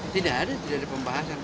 tidak ada pembahasan